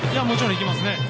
もちろん、行きますね。